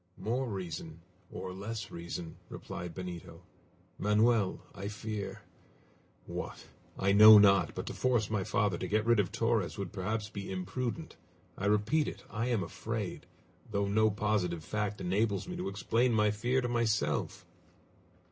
"More reason or less reason," replied Benito. "Manoel, I fear what? I know not but to force my father to get rid of Torres would perhaps be imprudent! I repeat it, I am afraid, though no positive fact enables me to explain my fear to myself!"